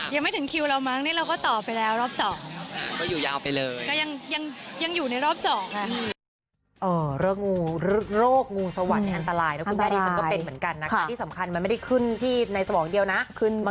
ยังไม่ถึงคิวเราหรือมั้งเราก็ต่อไปแล้วรอบ๒